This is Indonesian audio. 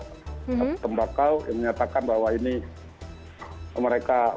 satu tembakau yang menyatakan bahwa ini mereka